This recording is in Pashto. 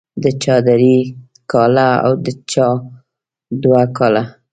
د چا درې کاله او د چا دوه کاله.